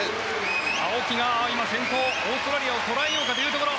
青木が今、先頭オーストラリアを捉えようかというところ。